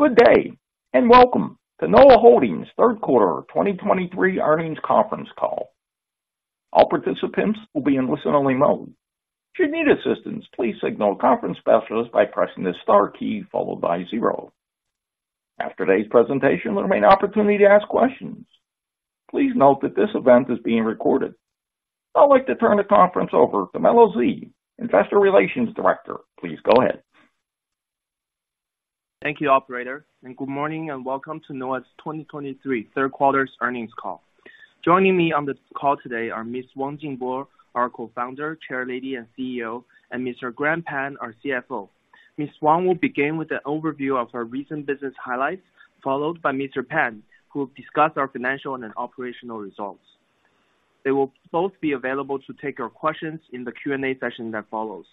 Good day, and welcome to Noah Holdings third quarter 2023 earnings conference call. All participants will be in listen-only mode. If you need assistance, please signal a conference specialist by pressing the star key followed by zero. After today's presentation, there will be an opportunity to ask questions. Please note that this event is being recorded. I'd like to turn the conference over to Melo Xi, Investor Relations Director. Please go ahead. Thank you, operator, and good morning, and welcome to Noah's 2023 third quarter's earnings call. Joining me on this call today are Miss Wang Jingbo, our co-founder, Chairlady, and CEO, and Mr. Grant Pan, our CFO. Miss Wang will begin with an overview of our recent business highlights, followed by Mr. Pan, who will discuss our financial and operational results. They will both be available to take your questions in the Q&A session that follows.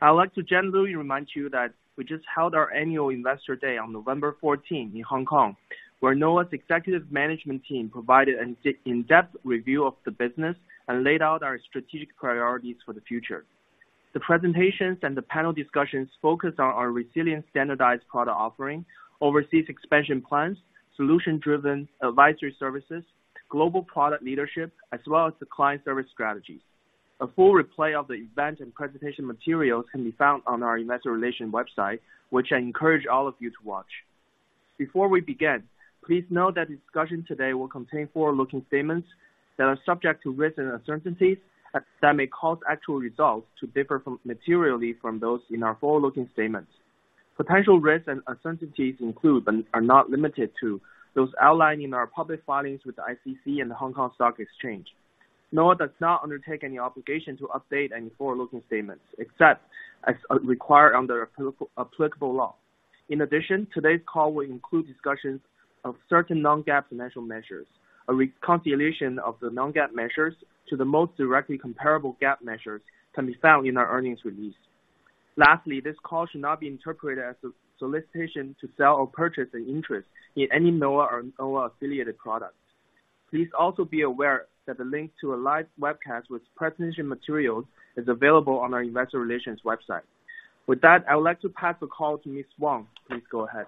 I would like to gently remind you that we just held our annual Investor Day on November 14 in Hong Kong, where Noah's executive management team provided an in-depth review of the business and laid out our strategic priorities for the future. The presentations and the panel discussions focused on our resilient standardized product offering, overseas expansion plans, solution-driven advisory services, global product leadership, as well as the client service strategies. A full replay of the event and presentation materials can be found on our investor relations website, which I encourage all of you to watch. Before we begin, please note that discussion today will contain forward-looking statements that are subject to risks and uncertainties, that may cause actual results to differ materially from those in our forward-looking statements. Potential risks and uncertainties include, but are not limited to, those outlined in our public filings with the SFC and the Hong Kong Stock Exchange. Noah does not undertake any obligation to update any forward-looking statements, except as required under applicable law. In addition, today's call will include discussions of certain non-GAAP financial measures. A reconciliation of the non-GAAP measures to the most directly comparable GAAP measures can be found in our earnings release. Lastly, this call should not be interpreted as a solicitation to sell or purchase an interest in any Noah or Noah-affiliated product. Please also be aware that the link to a live webcast with presentation materials is available on our investor relations website. With that, I would like to pass the call to Miss Wang. Please go ahead....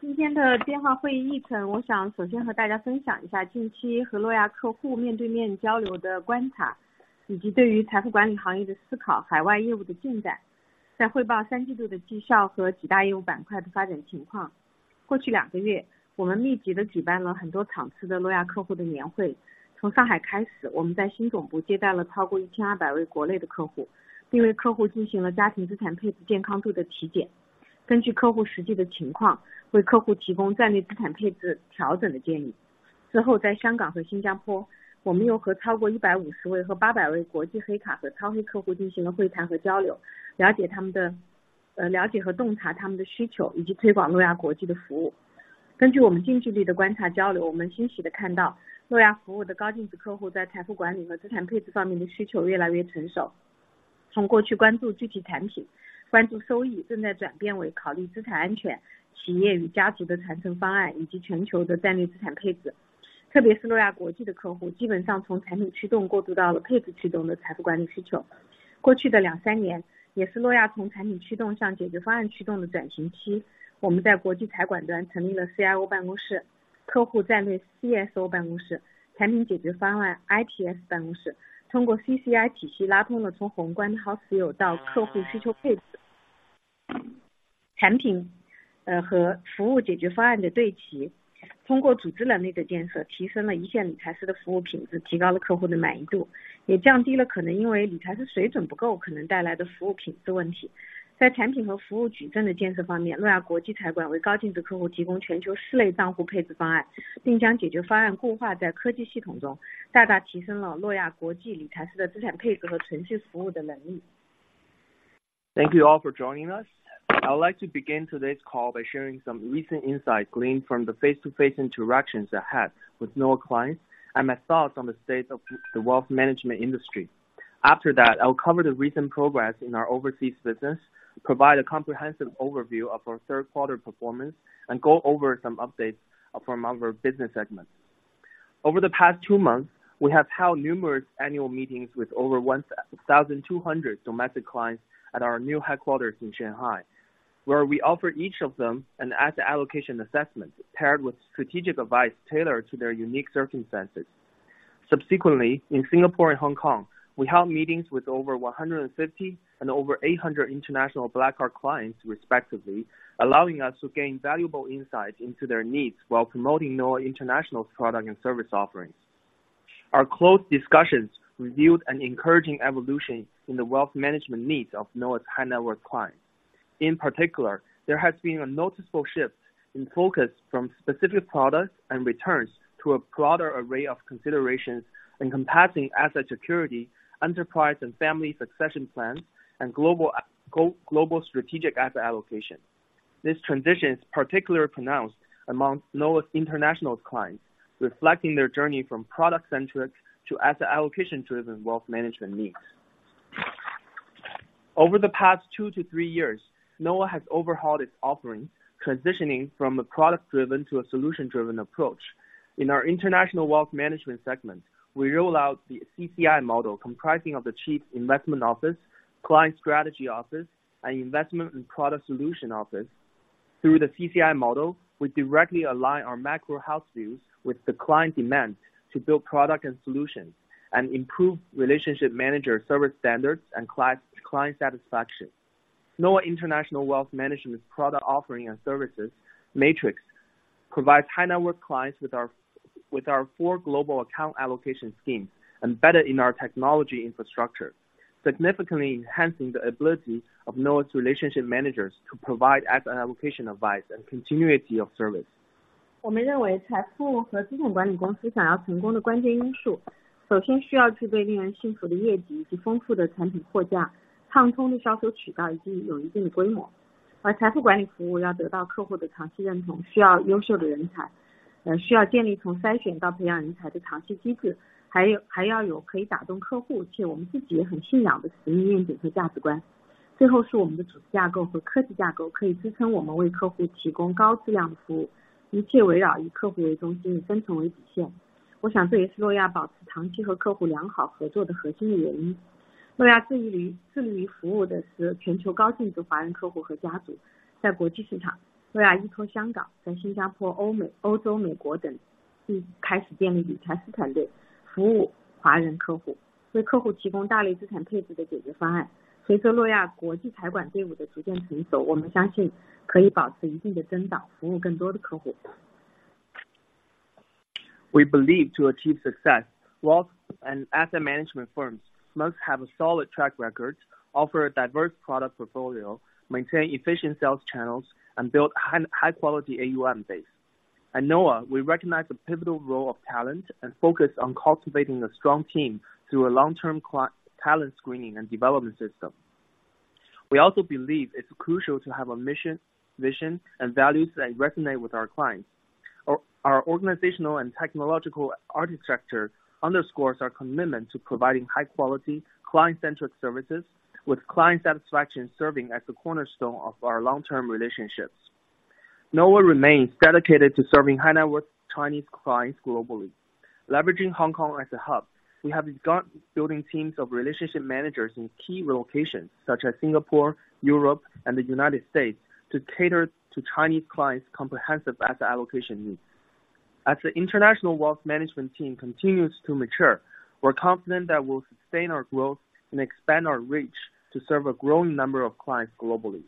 今天的电话会议议程，我想首先和大家分享一下近期和诺亚客户面对面交流的观察，以及对于财富管理行业的思考，海外业务的进展，再汇报三季度的绩效和几大业务板块的发展情况。过去两个月，我们密集地举办了很多场次的诺亚客户的年会，从上海开始，我们在新总部接待了超过 1,200 位国内的客户，并为客户进行了家庭资产配置健康度的体检。根据客户实际的情况，为客户提供战略资产配置调整的建议。之后，在香港和新加坡，我们又和超过 150 位和 800 位国际黑卡和超富客户进行了会谈和交流，了解他们的... Thank you all for joining us. I would like to begin today's call by sharing some recent insights gleaned from the face-to-face interactions I had with Noah clients, and my thoughts on the state of the wealth management industry. After that, I'll cover the recent progress in our overseas business, provide a comprehensive overview of our third quarter performance, and go over some updates from our business segments. Over the past two months, we have held numerous annual meetings with over 1,200 domestic clients at our new headquarters in Shanghai, where we offer each of them an asset allocation assessment paired with strategic advice tailored to their unique circumstances. Subsequently, in Singapore and Hong Kong, we held meetings with over 150 and over 800 international Black Card clients, respectively, allowing us to gain valuable insights into their needs while promoting Noah International's product and service offerings. Our close discussions revealed an encouraging evolution in the wealth management needs of Noah's high-net-worth clients. In particular, there has been a noticeable shift in focus from specific products and returns to a broader array of considerations encompassing asset security, enterprise and family succession plans, and global strategic asset allocation. This transition is particularly pronounced among Noah's international clients, reflecting their journey from product-centric to asset allocation-driven wealth management needs. Over the past two to three years, Noah has overhauled its offerings, transitioning from a product-driven to a solution-driven approach. In our international wealth management segment, we roll out the CCI Model, comprising of the Chief Investment Office, Client Strategy Office, and Investment and Product Solution Office. Through the CCI Model, we directly align our macro house views with the client demand to build product and solutions, and improve relationship manager service standards and client, client satisfaction. Noah International Wealth Management's product offering and services matrix provides high-net-worth clients with our, with our four global account allocation schemes embedded in our technology infrastructure, significantly enhancing the ability of Noah's relationship managers to provide asset allocation advice and continuity of service. We believe to achieve success, wealth and asset management firms must have a solid track record, offer a diverse product portfolio, maintain efficient sales channels, and build high, high quality AUM base. At Noah, we recognize the pivotal role of talent and focus on cultivating a strong team through a long-term talent screening and development system. We also believe it's crucial to have a mission, vision, and values that resonate with our clients. Our organizational and technological architecture underscores our commitment to providing high quality, client-centric services, with client satisfaction serving as the cornerstone of our long-term relationships. Noah remains dedicated to serving high-net-worth Chinese clients globally. Leveraging Hong Kong as a hub, we have begun building teams of relationship managers in key locations such as Singapore, Europe, and the United States, to cater to Chinese clients' comprehensive asset allocation needs. As the international wealth management team continues to mature, we're confident that we'll sustain our growth and expand our reach to serve a growing number of clients globally.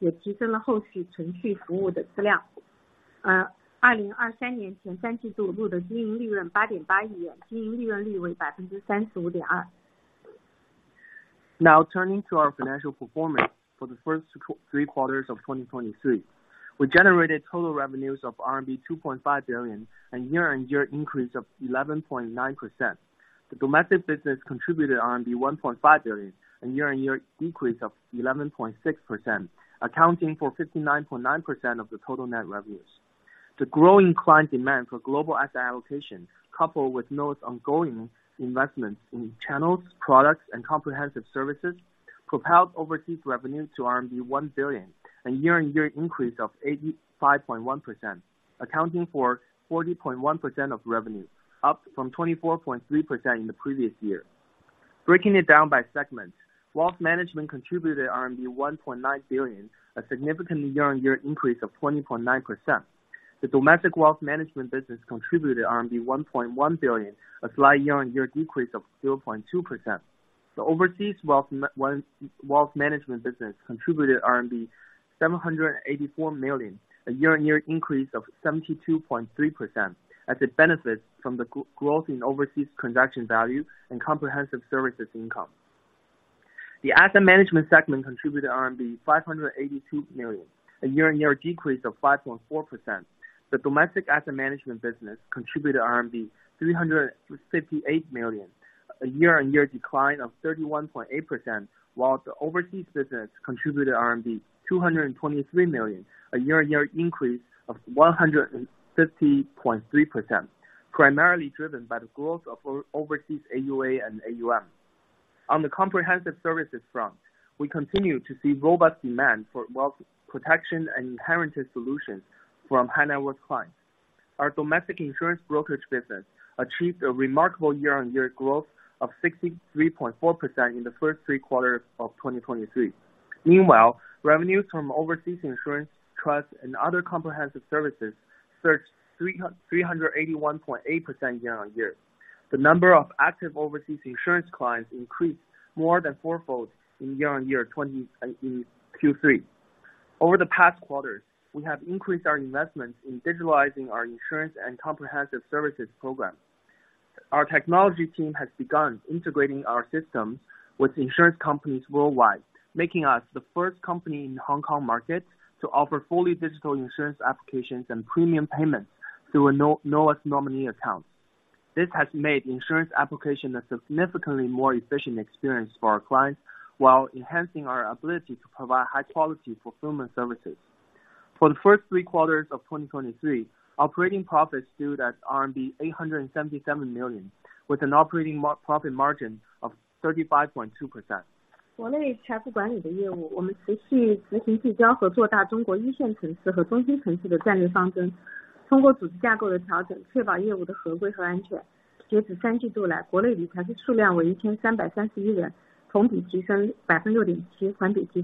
Now, turning to our financial performance. For the first three quarters of 2023, we generated total revenues of RMB 2.5 billion, a year-on-year increase of 11.9%. The domestic business contributed 1.5 billion, a year-on-year increase of 11.6%, accounting for 59.9% of the total net revenues. The growing client demand for global asset allocation, coupled with Noah's ongoing investments in channels, products, and comprehensive services, propelled overseas revenues to RMB 1 billion, a year-on-year increase of 85.1%, accounting for 40.1% of revenues, up from 24.3% in the previous year. Breaking it down by segments, wealth management contributed RMB 1.9 billion, a significant year-on-year increase of 20.9%. The domestic wealth management business contributed RMB 1.1 billion, a slight year-on-year decrease of 0.2%. The overseas wealth management business contributed RMB 784 million, a year-on-year increase of 72.3%, as it benefits from the growth in overseas transaction value and comprehensive services income. The asset management segment contributed RMB 582 million, a year-on-year decrease of 5.4%. The domestic asset management business contributed RMB 358 million, a year-on-year decline of 31.8%, while the overseas business contributed RMB 223 million, a year-on-year increase of 150.3%, primarily driven by the growth of overseas AUA and AUM. On the comprehensive services front, we continue to see robust demand for wealth protection and inheritance solutions from high-net-worth clients. Our domestic insurance brokerage business achieved a remarkable year-over-year growth of 63.4% in the first three quarters of 2023. Meanwhile, revenues from overseas insurance, trust and other comprehensive services surged 381.8% year-over-year. The number of active overseas insurance clients increased more than fourfold year-over-year in 2023, in Q3. Over the past quarters, we have increased our investments in digitalizing our insurance and comprehensive services program. Our technology team has begun integrating our systems with insurance companies worldwide, making us the first company in the Hong Kong market to offer fully digital insurance applications and premium payments through a Noah's nominee account. Smile Treasury clients increased 73.7% year-over-year, with client assets under custody exceeding RMB 600,000.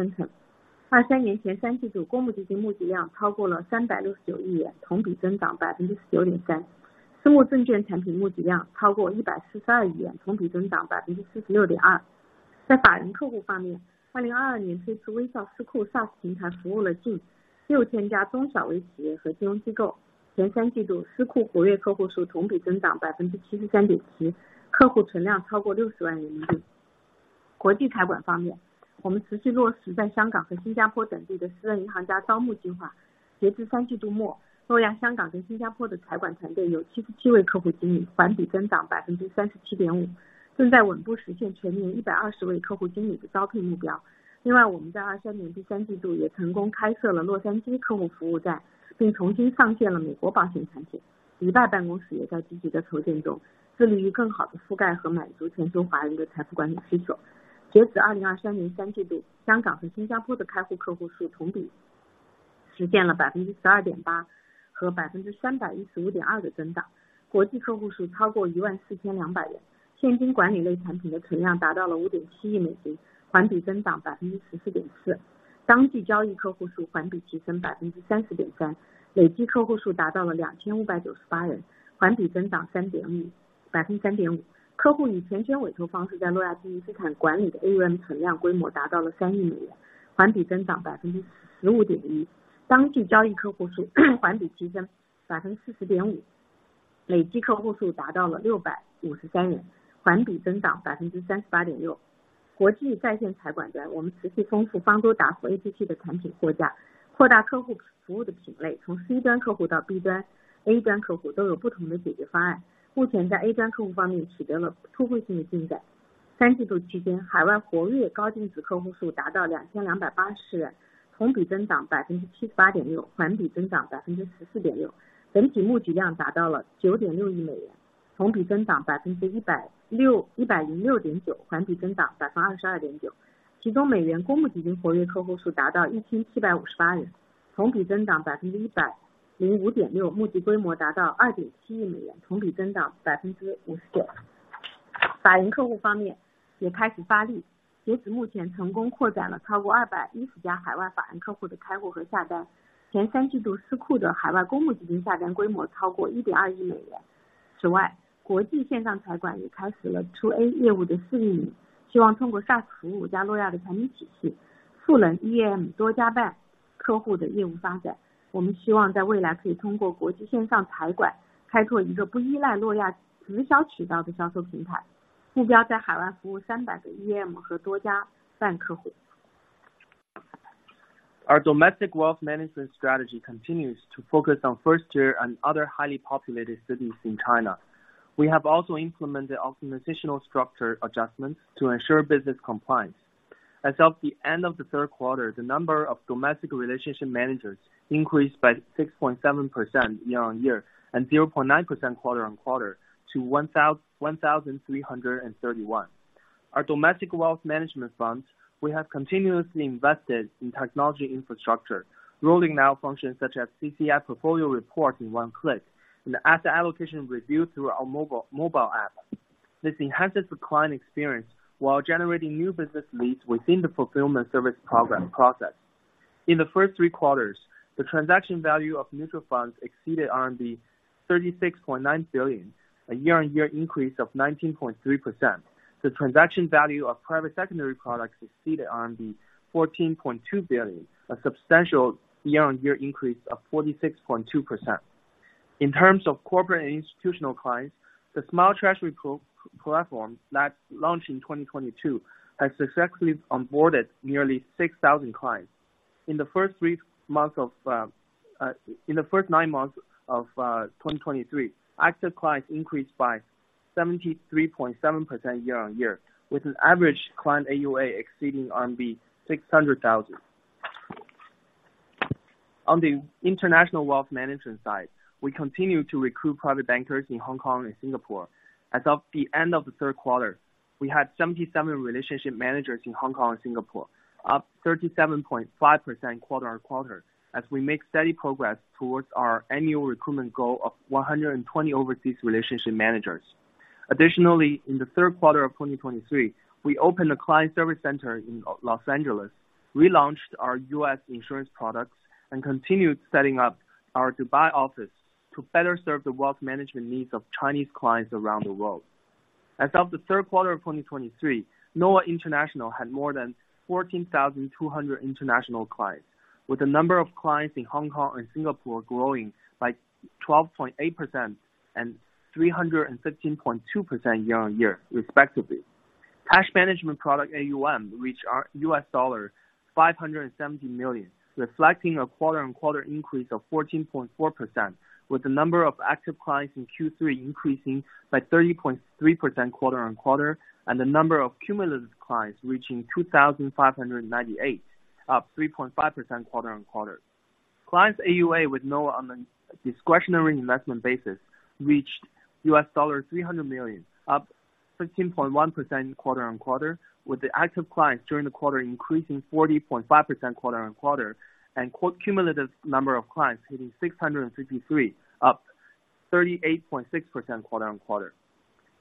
In international wealth management, we continue to implement the private banker recruitment plan in Hong Kong and Singapore. As of the end of the third quarter, Noah Hong Kong and Singapore wealth management teams had 77 relationship managers, up 37.5% quarter-over-quarter, steadily progressing toward the full-year target of 120 relationship managers. In addition, in the third quarter of 2023, we successfully opened the Los Angeles client service center and relaunched U.S. insurance products. The wealth management office is also actively being established, aiming to better cover and meet the wealth management needs of global Chinese clients. As of the end of the third quarter of 2023, the number of account-opening clients in Hong Kong and Singapore increased 12.8% and 315.2% year-over-year, respectively. The number of international clients exceeded 14,200, and the balance of cash management products reached $570 million, up 14.4% quarter-over-quarter. The number of active trading clients in the quarter increased 30.3% quarter-over-quarter, with cumulative clients reaching 2,598, up 3.1%, or 3.5% quarter-over-quarter. Clients using discretionary mandates in Noah's asset management business reached $300 million in AUM, up 15.1% quarter-over-quarter. The number of active trading clients in the quarter increased 40.5% quarter-over-quarter, with cumulative clients reaching 653, up 38.6% quarter-over-quarter. On the international online wealth management side, we continue to enrich the iNoah and app product shelves, expanding the categories of client services. From C-end clients to B-end and A-end clients, there are different solutions, and we have made breakthrough progress with A-end clients. During the third quarter, the number of active high-net-worth overseas clients reached 2,280, up 78.6% year-over-year and up 14.6% quarter-over-quarter. Total fundraising reached $960 million, up 106.9% year-over-year and up 22.9% quarter-over-quarter. Among them, the number of active clients in U.S. dollar public funds reached 1,758, up 105.6% year-over-year, with fundraising scale reaching $270 million, up 50% year-over-year. For corporate clients, we have also started to make efforts. As of now, we have successfully expanded account opening and order placement for more than 210 overseas corporate clients. In the first three quarters, the overseas public fund order volume on Smile Treasury exceeded $120 million. In addition, international online wealth management has also started to adapt to To A business, hoping to empower the business development of multiple EAM and MFO clients through SaaS services and Noah's product system. We hope that in the future, through international online wealth management, we can develop a sales platform that does not rely on Noah's direct sales channel, with the goal of serving 300 EAM and MFO clients overseas. Our domestic wealth management strategy continues to focus on first-tier and other highly populated cities in China. We have also implemented organizational structural adjustments to ensure business compliance. As of the end of the third quarter, the number of domestic relationship managers increased by 6.7% year-on-year, and 0.9% quarter-on-quarter to 1,331. Our domestic wealth management funds, we have continuously invested in technology infrastructure, rolling out functions such as CCI portfolio report in one click and asset allocation review through our mobile app. This enhances the client experience while generating new business leads within the fulfillment service program process. In the first three quarters, the transaction value of mutual funds exceeded RMB 36.9 billion, a year-on-year increase of 19.3%. The transaction value of private secondary products exceeded 14.2 billion, a substantial year-over-year increase of 46.2%. In terms of corporate and institutional clients, the Smile Treasury platform that launched in 2022 has successfully onboarded nearly 6,000 clients. In the first nine months of 2023, active clients increased by 73.7% year-over-year, with an average client AUA exceeding RMB 600,000. On the international wealth management side, we continue to recruit private bankers in Hong Kong and Singapore. As of the end of the third quarter, we had 77 relationship managers in Hong Kong and Singapore, up 37.5% quarter-over-quarter, as we make steady progress towards our annual recruitment goal of 120 overseas relationship managers. Additionally, in the third quarter of 2023, we opened a client service center in Los Angeles, relaunched our US insurance products, and continued setting up our Dubai office to better serve the wealth management needs of Chinese clients around the world. As of the third quarter of 2023, Noah International had more than 14,200 international clients, with the number of clients in Hong Kong and Singapore growing by 12.8% and 315.2% year-on-year, respectively. Cash management product AUM, which are $570 million, reflecting a quarter-on-quarter increase of 14.4%, with the number of active clients in Q3 increasing by 30.3% quarter-on-quarter, and the number of cumulative clients reaching 2,598, up 3.5% quarter-on-quarter. Clients AUA with Noah on a discretionary investment basis reached $300 million, up 13.1% quarter-on-quarter, with the active clients during the quarter increasing 40.5% quarter-on-quarter, and cumulative number of clients hitting 653, up 38.6% quarter-on-quarter.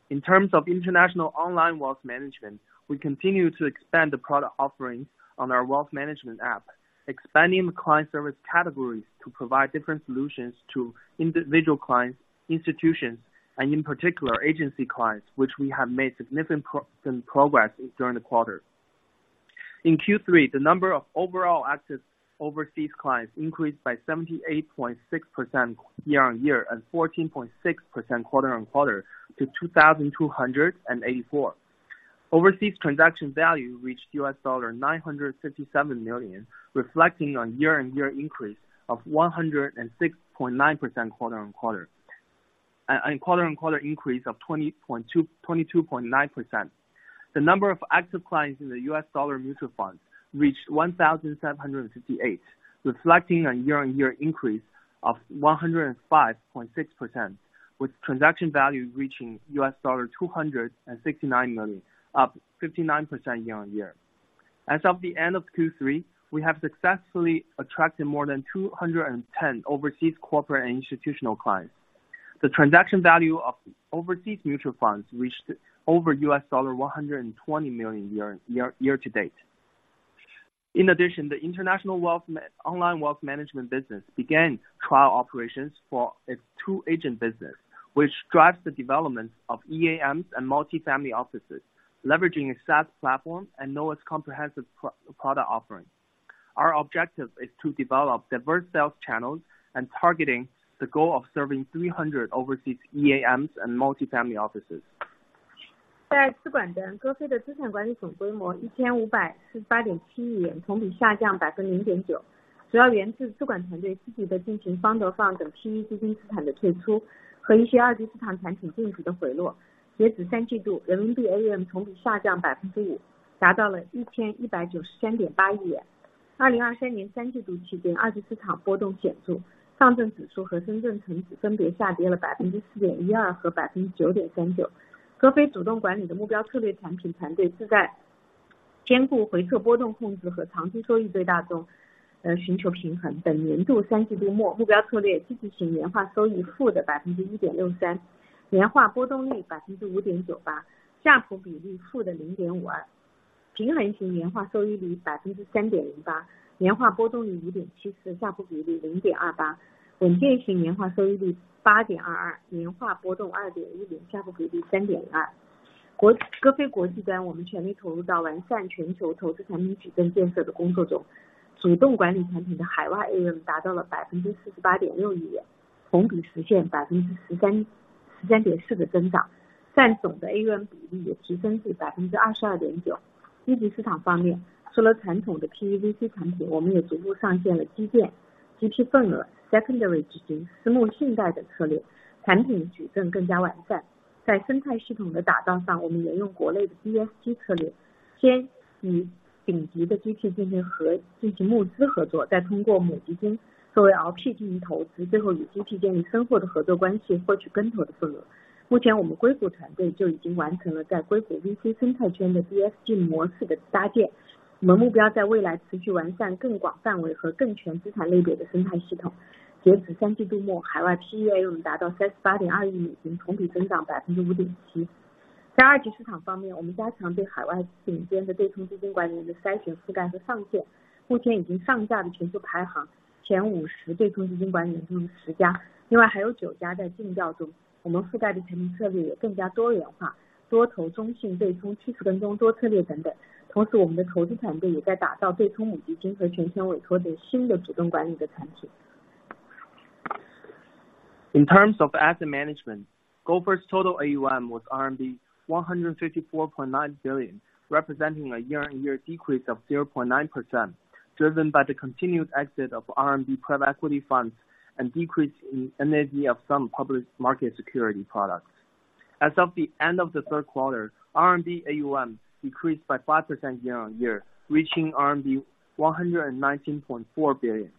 In terms of international online wealth management, we continue to expand the product offerings on our wealth management app, expanding the client service categories to provide different solutions to individual clients, institutions, and in particular, agency clients, which we have made significant progress during the quarter. In Q3, the number of overall active overseas clients increased by 78.6% year-on-year, and 14.6% quarter-on-quarter to 2,284. Overseas transaction value reached $957 million, reflecting a year-on-year increase of 106.9% and quarter-on-quarter increase of 22.9%. The number of active clients in the US dollar mutual funds reached 1,758, reflecting a year-on-year increase of 105.6%, with transaction value reaching $269 million, up 59% year-on-year. As of the end of Q3, we have successfully attracted more than 210 overseas corporate and institutional clients. The transaction value of overseas mutual funds reached over $120 million year to date. In addition, the international wealth management online wealth management business began trial operations for its two agent business, which drives the development of EAMs and multifamily offices, leveraging a SaaS platform and Noah's comprehensive product offering. Our objective is to develop diverse sales channels and targeting the goal of serving 300 overseas EAMs and multifamily offices. On the asset management side, Gopher Asset Management's total assets under management were RMB 154.87 billion, In terms of asset management, Gopher's total AUM was RMB 154.9 billion, representing a year-on-year decrease of 0.9%, driven by the continued exit of RMB private equity funds and decrease in NAV of some public market security products. As of the end of the third quarter, RMB AUM decreased by 5% year on year, reaching RMB 119.4 billion.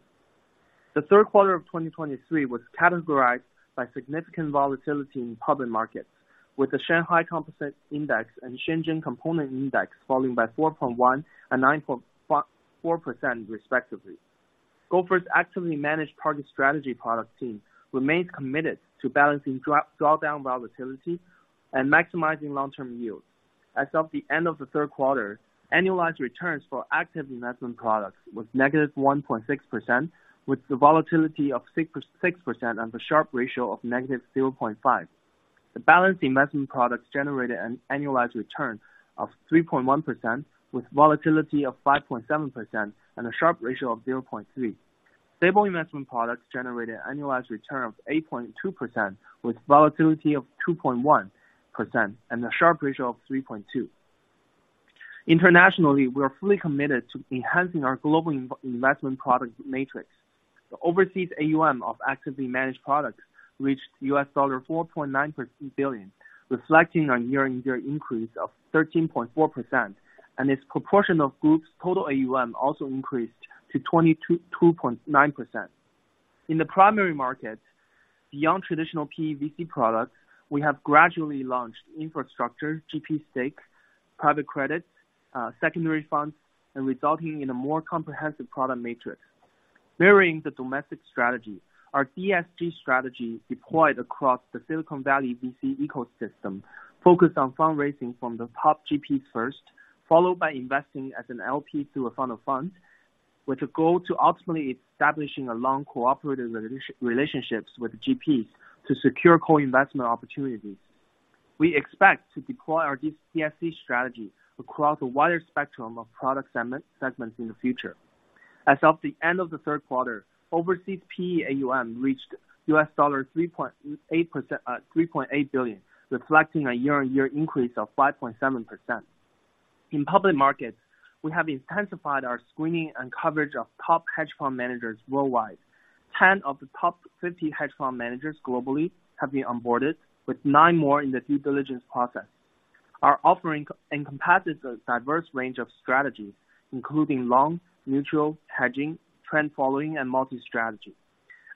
The third quarter of 2023 was categorized by significant volatility in public markets, with the Shanghai Composite Index and Shenzhen Component Index falling by 4.1% and 9.4% respectively. Gopher's actively managed product strategy product team remains committed to balancing drawdown volatility and maximizing long term yields. As of the end of the third quarter, annualized returns for active investment products was -1.6%, with the volatility of 6.6% and the Sharpe ratio of -0.5. The balanced investment products generated an annualized return of 3.1%, with volatility of 5.7% and a Sharpe ratio of 0.3. Stable investment products generated annualized return of 8.2%, with volatility of 2.1% and a Sharpe ratio of 3.2. Internationally, we are fully committed to enhancing our global investment product matrix. The overseas AUM of actively managed products reached $4.9 billion, reflecting a year-on-year increase of 13.4%, and its proportion of group's total AUM also increased to 22.9%. In the primary market, beyond traditional PE VC products, we have gradually launched infrastructure, GP stakes, private credits, secondary funds, and resulting in a more comprehensive product matrix. Mirroring the domestic strategy, our DSG strategy, deployed across the Silicon Valley VC ecosystem, focused on fundraising from the top GPs first, followed by investing as an LP through a fund of funds, with a goal to ultimately establishing a long cooperative relationships with GPs to secure co-investment opportunities. We expect to deploy our DSG strategy across a wider spectrum of product segments in the future. As of the end of the third quarter, overseas PE AUM reached $3.8 billion, reflecting a year-on-year increase of 5.7%. In public markets, we have intensified our screening and coverage of top hedge fund managers worldwide. 10 of the top 50 hedge fund managers globally have been onboarded, with nine more in the due diligence process. Our offering encompasses a diverse range of strategies, including long, neutral, hedging, trend following, and multi-strategy.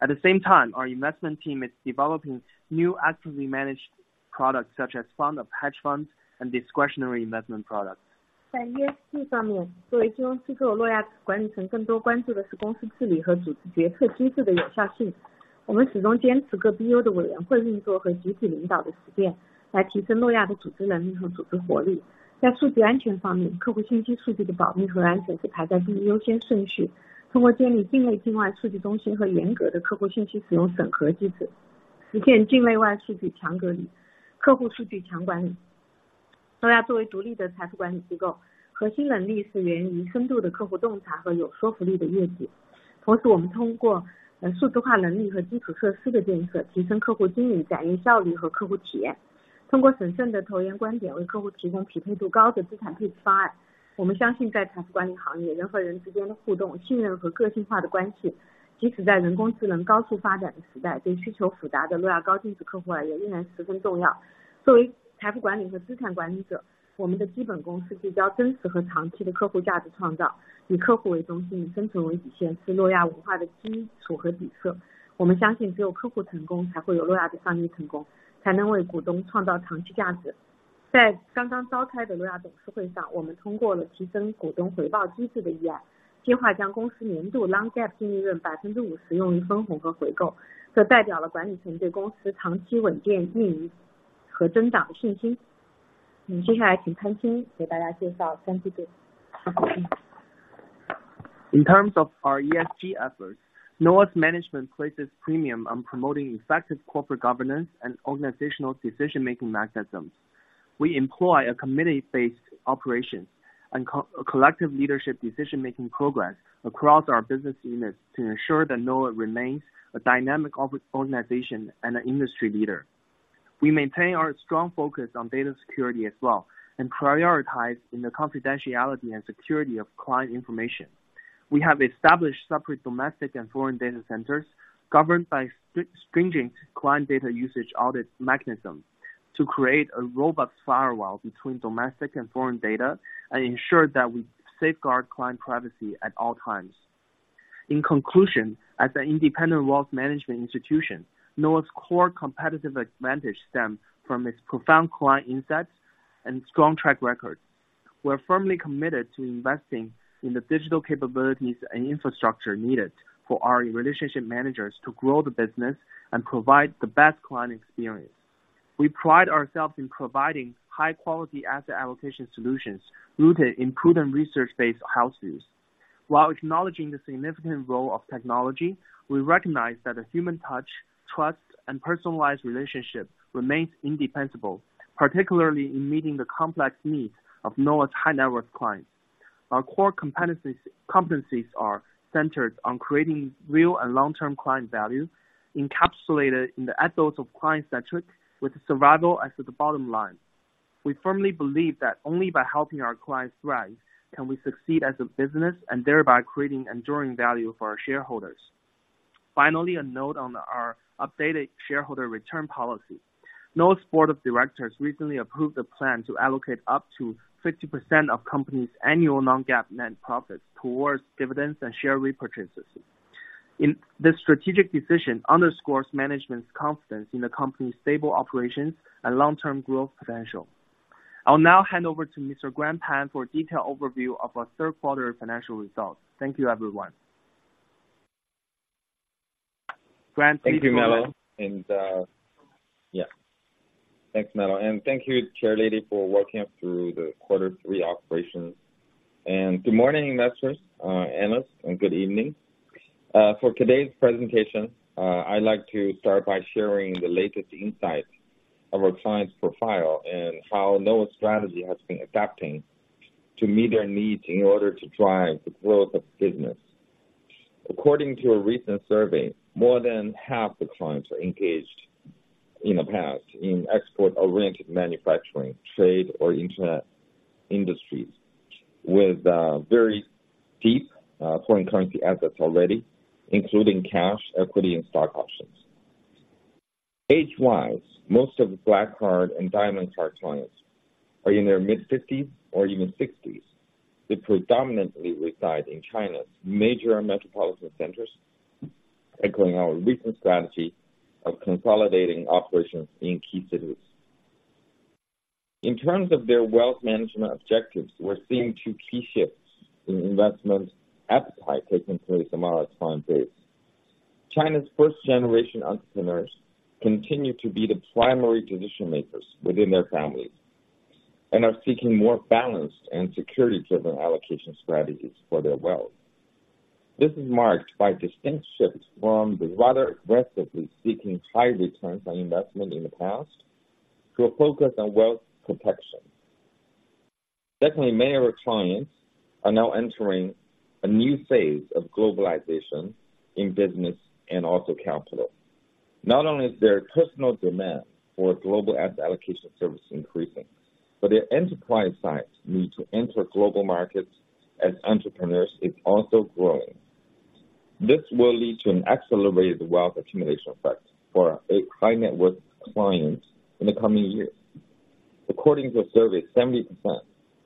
At the same time, our investment team is developing new actively managed products such as fund of hedge funds and discretionary investment products. 在ESG方面，作为金融机构，诺亚管理层更多关注的是公司治理和组织决策机制的有效性。我们始终坚持各BU的委员会运作和集体领导的实践，来提升诺亚的组织能力和组织活力。在数据安全方面，客户信息数据的保密和安全被排在最高优先顺序。通过建立境内境外数据中心和严格的客户信息使用审核机制，实现境内外部数据强隔离，客户数据强管理。诺亚作为独立的财富管理机构，核心能力是源于深度的客户洞察和有说服力的业绩。同时，我们通过数字化能力和基础设施的建设，提升客户经营效率、效率和客户体验，通过审慎的投研观点，为客户提供匹配度高的资产配置方案。我们相信，在财富管理行业，人和人之间的互动、信任和个性化的关系，即使在人工智能高速发展的时代，对需求复杂的诺亚高净值客户而言，也依然十分重要。作为财富管理和资产管理者，我们的基本功是聚焦真实和长期的客户价值创造，以客户为中心，生存为底线，是诺亚文化的基矗和底色。我们相信，只有客户成功，才会有诺亚的商业成功，才能为股东创造长期价值。在刚刚召开的诺亚董事会上，我们通过了提升股东回报机制的议案，计划将公司年度Non-GAAP净利润50%用于分红和回购，这代表了管理层对公司长期稳定运营和增长的信心。接下来请潘青给大家介绍。Thank you。In terms of our ESG efforts, Noah's management places a premium on promoting effective corporate governance and organizational decision-making mechanisms. We employ a committee-based operation and collective leadership decision-making process across our business units to ensure that Noah remains a dynamic organization and an industry leader. We maintain our strong focus on data security as well, and prioritize the confidentiality and security of client information. We have established separate domestic and foreign data centers, governed by stringent client data usage audit mechanisms, to create a robust firewall between domestic and foreign data and ensure that we safeguard client privacy at all times. In conclusion, as an independent wealth management institution, Noah's core competitive advantage stems from its profound client insights and strong track record.... We are firmly committed to investing in the digital capabilities and infrastructure needed for our relationship managers to grow the business and provide the best client experience. We pride ourselves in providing high quality asset allocation solutions rooted in proven research-based houses. While acknowledging the significant role of technology, we recognize that a human touch, trust, and personalized relationship remains indispensable, particularly in meeting the complex needs of NOAH's high net worth clients. Our core competencies are centered on creating real and long-term client value, encapsulated in the ethos of client-centric, with survival as the bottom line. We firmly believe that only by helping our clients thrive, can we succeed as a business and thereby creating enduring value for our shareholders. Finally, a note on our updated shareholder return policy. NOAH's board of directors recently approved a plan to allocate up to 50% of the company's annual non-GAAP net profits towards dividends and share repurchases. This strategic decision underscores management's confidence in the company's stable operations and long-term growth potential. I'll now hand over to Mr. Grant Pan for a detailed overview of our third quarter financial results. Thank you, everyone. Grant, thank you. Thank you, Melo. And, yeah. Thanks, Melo, and thank you, Chairlady, for walking us through the quarter three operations. Good morning, investors, analysts, and good evening. For today's presentation, I'd like to start by sharing the latest insights of our clients' profile and how Noah's strategy has been adapting to meet their needs in order to drive the growth of business. According to a recent survey, more than half the clients are engaged in the past in export-oriented manufacturing, trade, or internet industries, with very deep foreign currency assets already, including cash, equity, and stock options. Age-wise, most of the Black Card and Diamond Card clients are in their mid-fifties or even sixties. They predominantly reside in China's major metropolitan centers, echoing our recent strategy of consolidating operations in key cities. In terms of their wealth management objectives, we're seeing two key shifts in investment appetite taking place among our client base. China's first generation entrepreneurs continue to be the primary decision-makers within their families, and are seeking more balanced and security-driven allocation strategies for their wealth. This is marked by distinct shifts from the rather aggressively seeking high returns on investment in the past, to a focus on wealth protection. Definitely, many of our clients are now entering a new phase of globalization in business and also capital. Not only is there a personal demand for global asset allocation services increasing, but their enterprise side need to enter global markets as entrepreneurs is also growing. This will lead to an accelerated wealth accumulation effect for a high-net-worth client in the coming years. According to a survey, 70%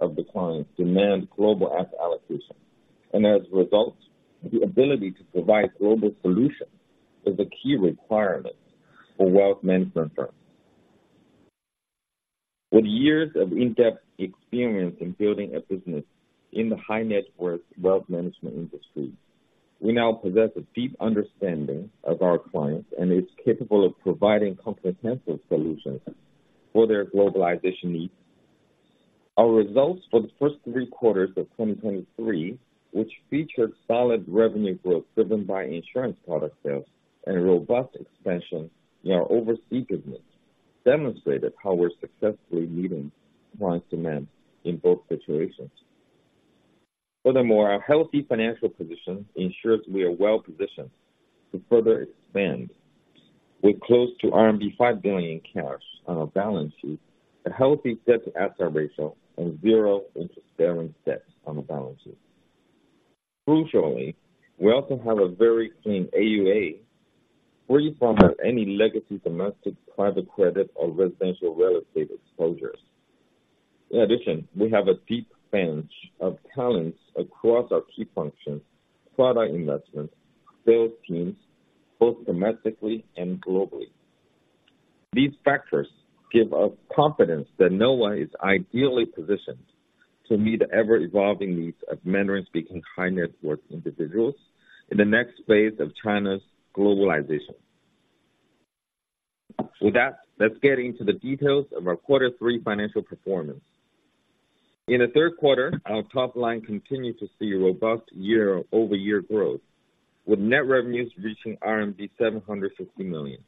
of the clients demand global asset allocation, and as a result, the ability to provide global solutions is a key requirement for wealth management firms. With years of in-depth experience in building a business in the high-net-worth wealth management industry, we now possess a deep understanding of our clients, and is capable of providing comprehensive solutions for their globalization needs. Our results for the first three quarters of 2023, which featured solid revenue growth driven by insurance product sales and a robust expansion in our overseas business, demonstrated how we're successfully meeting clients' demand in both situations. Furthermore, our healthy financial position ensures we are well-positioned to further expand with close to RMB 5 billion in cash on our balance sheet, a healthy debt to asset ratio, and zero interest-bearing debt on the balance sheet. Crucially, we also have a very clean AUA, free from any legacy, domestic, private credit, or residential real estate exposures. In addition, we have a deep bench of talents across our key functions, product investments, sales teams, both domestically and globally. These factors give us confidence that Noah is ideally positioned to meet the ever-evolving needs of Mandarin-speaking high-net-worth individuals in the next phase of China's globalization. With that, let's get into the details of our quarter three financial performance. In the third quarter, our top line continued to see robust year-over-year growth, with net revenues reaching RMB 760 million,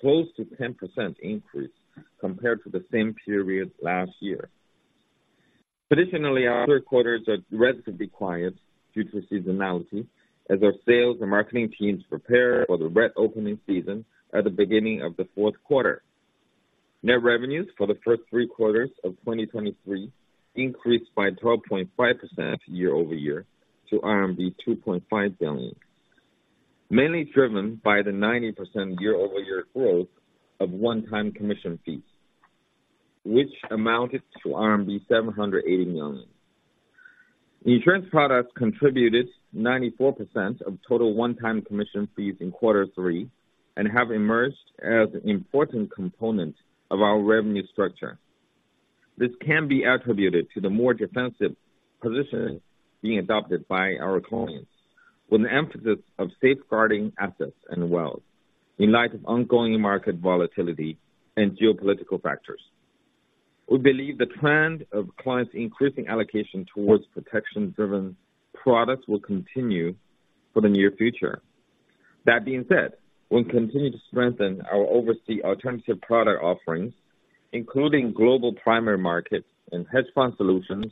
close to 10% increase compared to the same period last year. Traditionally, our other quarters are relatively quiet due to seasonality, as our sales and marketing teams prepare for the Grand Opening season at the beginning of the fourth quarter. Net revenues for the first three quarters of 2023 increased by 12.5% year-over-year to RMB 2.5 billion. Mainly driven by the 90% year-over-year growth of one-time commission fees, which amounted to RMB 780 million. The insurance products contributed 94% of total one-time commission fees in quarter three, and have emerged as an important component of our revenue structure. This can be attributed to the more defensive positioning being adopted by our clients, with an emphasis of safeguarding assets and wealth in light of ongoing market volatility and geopolitical factors. We believe the trend of clients increasing allocation towards protection-driven products will continue for the near future. That being said, we'll continue to strengthen our overseas alternative product offerings, including global primary markets and hedge fund solutions,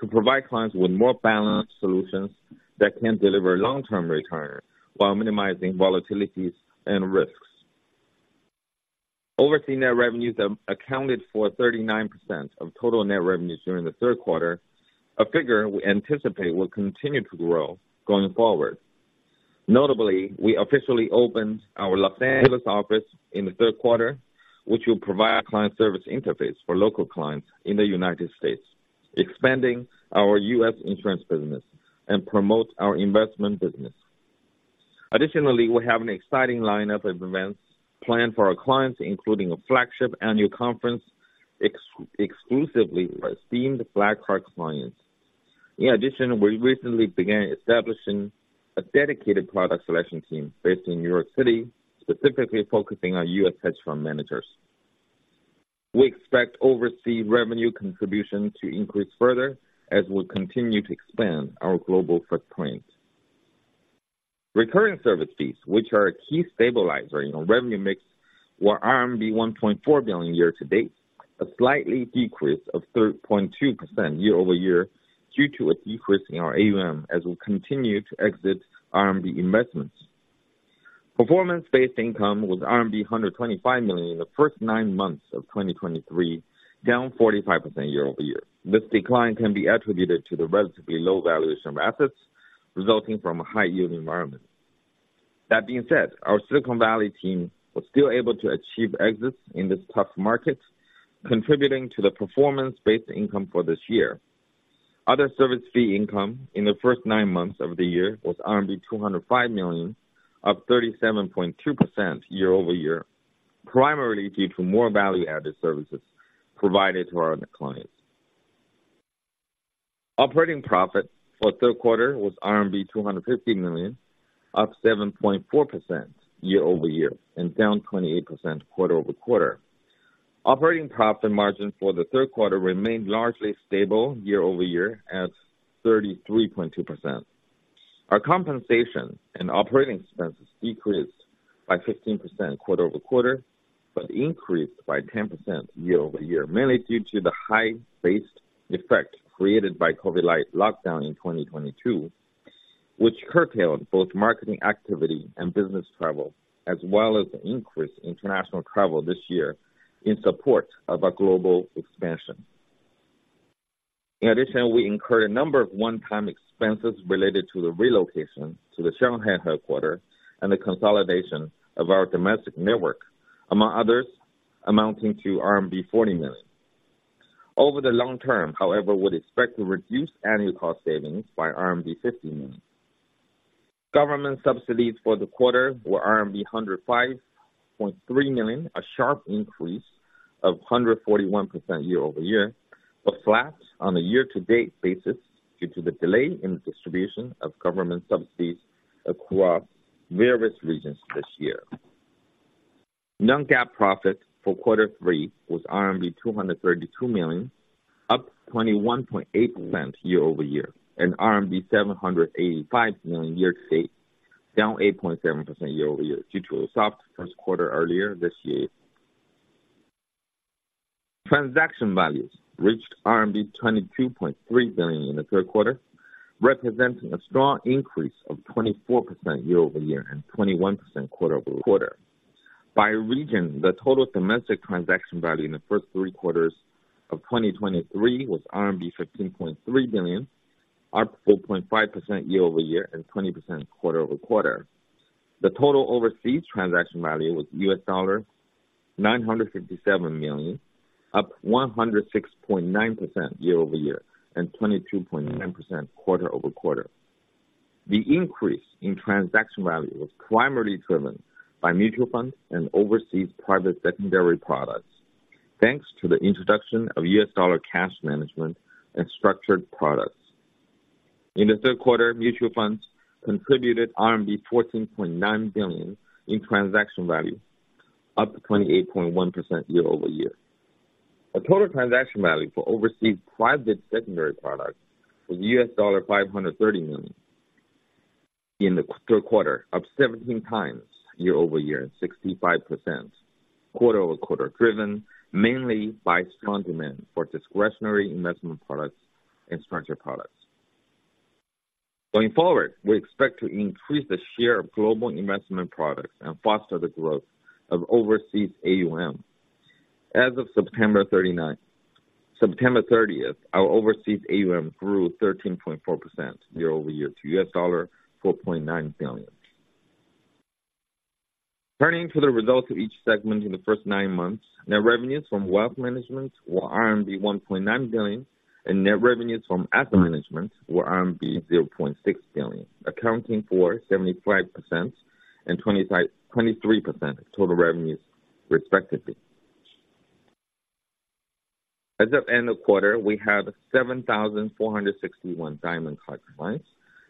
to provide clients with more balanced solutions that can deliver long-term return while minimizing volatilities and risks. Overseas net revenues accounted for 39% of total net revenues during the third quarter, a figure we anticipate will continue to grow going forward. Notably, we officially opened our Los Angeles office in the third quarter, which will provide a client service interface for local clients in the United States, expanding our U.S. insurance business and promote our investment business. Additionally, we have an exciting lineup of events planned for our clients, including a flagship annual conference exclusively for esteemed Black Card clients. In addition, we recently began establishing a dedicated product selection team based in New York City, specifically focusing on U.S. hedge fund managers. We expect overseas revenue contribution to increase further as we continue to expand our global footprint. Recurring service fees, which are a key stabilizer in our revenue mix, were RMB 1.4 billion year-to-date, a slightly decrease of 3.2% year-over-year, due to a decrease in our AUM as we continue to exit RMB investments. Performance-based income was RMB 125 million in the first nine months of 2023, down 45% year-over-year. This decline can be attributed to the relatively low valuation of assets resulting from a high-yield environment. That being said, our Silicon Valley team was still able to achieve exits in this tough market, contributing to the performance-based income for this year. Other service fee income in the first nine months of the year was RMB 205 million, up 37.2% year-over-year, primarily due to more value-added services provided to our clients. Operating profit for the third quarter was RMB 250 million, up 7.4% year-over-year and down 28% quarter-over-quarter. Operating profit margin for the third quarter remained largely stable year-over-year at 33.2%. Our compensation and operating expenses decreased by 15% quarter-over-quarter, but increased by 10% year-over-year, mainly due to the high base effect created by COVID-like lockdown in 2022, which curtailed both marketing activity and business travel, as well as increased international travel this year in support of our global expansion. In addition, we incurred a number of one-time expenses related to the relocation to the Shanghai headquarters and the consolidation of our domestic network, among others, amounting to RMB 40 million. Over the long term, however, we'd expect to reduce annual cost savings by RMB 50 million. Government subsidies for the quarter were RMB 105.3 million, a sharp increase of 141% year-over-year, but flat on a year-to-date basis due to the delay in the distribution of government subsidies across various regions this year. Non-GAAP profit for quarter three was RMB 232 million, up 21.8% year-over-year, and RMB 785 million year-to-date, down 8.7% year-over-year, due to a soft first quarter earlier this year. Transaction values reached RMB 22.3 billion in the third quarter, representing a strong increase of 24% year-over-year and 21% quarter-over-quarter. By region, the total domestic transaction value in the first three quarters of 2023 was RMB 15.3 billion, up 4.5% year-over-year and 20% quarter-over-quarter. The total overseas transaction value was $957 million, up 106.9% year-over-year, and 22.9% quarter-over-quarter. The increase in transaction value was primarily driven by mutual funds and overseas private secondary products, thanks to the introduction of U.S. dollar cash management and structured products. In the third quarter, mutual funds contributed RMB 14.9 billion in transaction value, up 28.1% year-over-year. The total transaction value for overseas private secondary products was $530 million in the third quarter, up 17x year-over-year, and 65% quarter-over-quarter, driven mainly by strong demand for discretionary investment products and structured products. Going forward, we expect to increase the share of global investment products and foster the growth of overseas AUM. As of September thirtieth, our overseas AUM grew 13.4% year-over-year to $4.9 billion. Turning to the results of each segment in the first nine months, net revenues from wealth management were RMB 1.9 billion, and net revenues from asset management were RMB 0.6 billion, accounting for 75% and 25, 23% of total revenues, respectively. As of end of quarter, we had 7,461 Diamond Card clients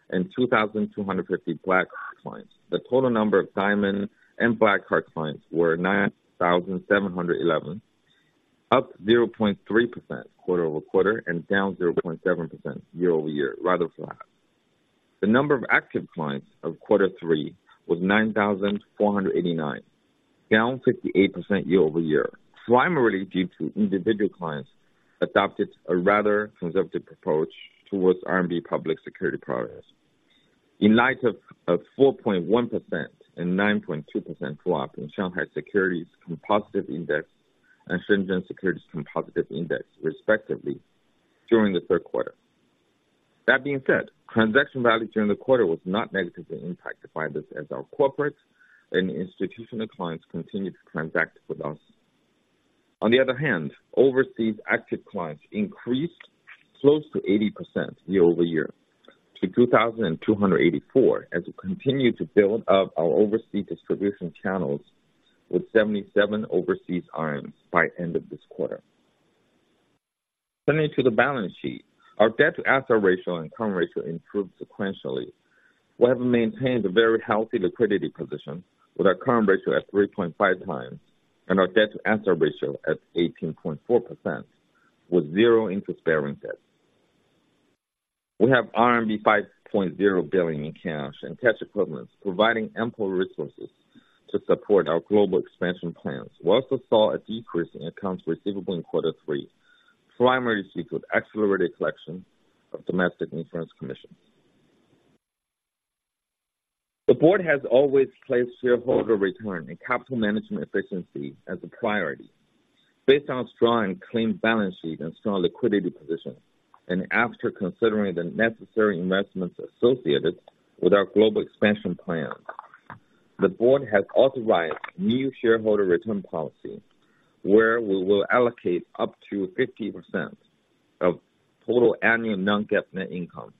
and 2,250 Black Card clients. The total number of Diamond Card and Black Card clients were 9,711, up 0.3% quarter-over-quarter and down 0.7% year-over-year, rather flat. The number of active clients of quarter three was 9,489, down 58% year-over-year, primarily due to individual clients adopted a rather conservative approach towards RMB public security products. In light of 4.1% and 9.2% drop in Shanghai Composite Index and Shenzhen Component Index, respectively, during the third quarter. That being said, transaction value during the quarter was not negatively impacted by this, as our corporate and institutional clients continued to transact with us. On the other hand, overseas active clients increased close to 80% year over year to 2,284, as we continue to build up our overseas distribution channels with 77 overseas arms by end of this quarter. Turning to the balance sheet, our debt to asset ratio and current ratio improved sequentially. We have maintained a very healthy liquidity position with our current ratio at 3.5x and our debt to asset ratio at 18.4% with zero interest-bearing debt. We have RMB 5.0 billion in cash and cash equivalents, providing ample resources to support our global expansion plans. We also saw a decrease in accounts receivable in quarter three, primarily due to accelerated collection of domestic insurance commissions. The board has always placed shareholder return and capital management efficiency as a priority. Based on strong clean balance sheet and strong liquidity position, and after considering the necessary investments associated with our global expansion plan, the board has authorized new shareholder return policy, where we will allocate up to 50% of total annual non-GAAP net income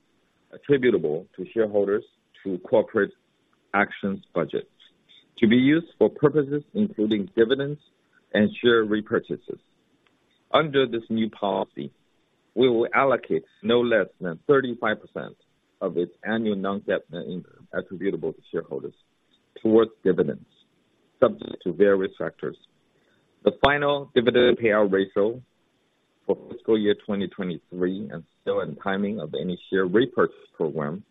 attributable to shareholders through corporate actions budgets, to be used for purposes including dividends and share repurchases. Under this new policy, we will allocate no less than 35% of its annual non-GAAP net income attributable to shareholders towards dividends, subject to various factors. The final dividend payout ratio for fiscal year 2023, and the timing of any share repurchase program,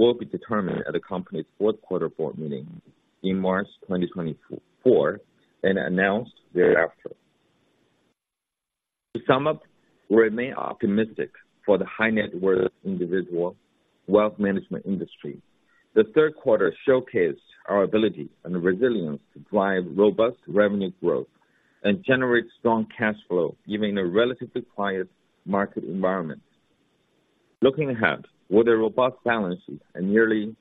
will be determined at the company's fourth quarter board meeting in March 2024, and announced thereafter. To sum up, we remain optimistic for the high net worth individual wealth management industry. The third quarter showcased our ability and resilience to drive robust revenue growth and generate strong cash flow, giving a relatively quiet market environment. Looking ahead, with a robust balance sheet and nearly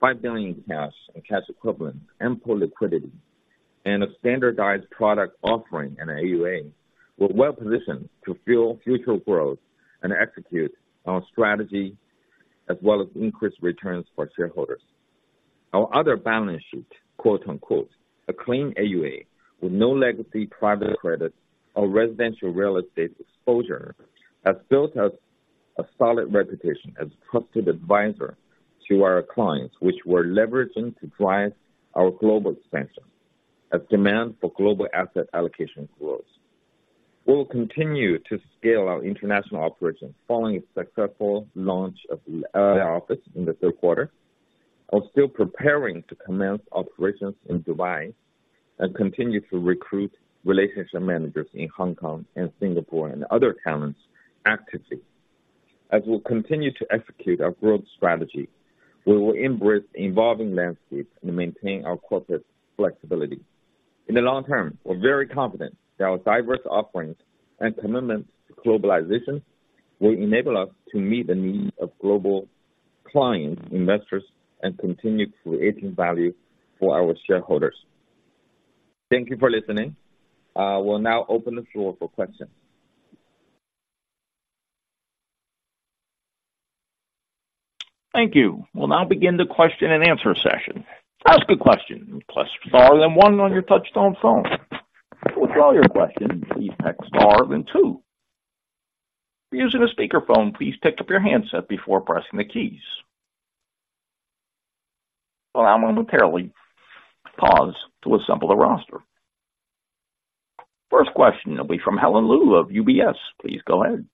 5 billion in cash and cash equivalents and poor liquidity, and a standardized product offering and AUA, we're well positioned to fuel future growth and execute our strategy, as well as increase returns for shareholders. Our other balance sheet, quote, unquote, "A clean AUA with no legacy private credit or residential real estate exposure," has built us a solid reputation as trusted advisor to our clients, which we're leveraging to drive our global expansion as demand for global asset allocation grows. We will continue to scale our international operations following a successful launch of the office in the third quarter. We're still preparing to commence operations in Dubai and continue to recruit relationship managers in Hong Kong and Singapore and other talents actively. As we'll continue to execute our growth strategy, we will embrace evolving landscapes and maintain our corporate flexibility. In the long term, we're very confident that our diverse offerings and commitment to globalization will enable us to meet the needs of global client investors and continue creating value for our shareholders. Thank you for listening. We'll now open the floor for questions. Thank you. We'll now begin the question and answer session. To ask a question, press star then one on your touchtone phone. To withdraw your question, please press star then two. If you're using a speakerphone, please pick up your handset before pressing the keys. We'll momentarily pause to assemble the roster. First question will be from Helen Li of UBS. Please go ahead.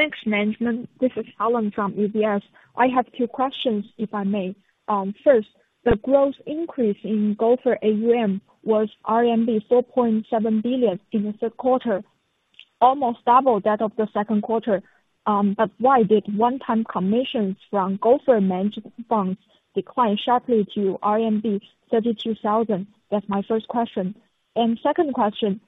Thanks, management. This is Helen from UBS. I have two questions, if I may. First, the growth increase in Gopher AUM was RMB 4.7 billion in the third quarter, almost double that of the second quarter. But why did one-time commissions from Gopher managed funds decline sharply to RMB 32,000? That's my first question. Second question,